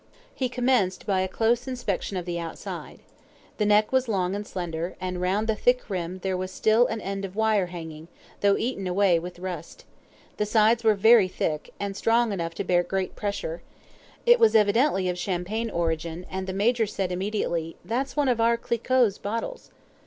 He commenced by a close inspection of the outside. The neck was long and slender, and round the thick rim there was still an end of wire hanging, though eaten away with rust. The sides were very thick, and strong enough to bear great pressure. It was evidently of Champagne origin, and the Major said immediately, "That's one of our Clicquot's bottles."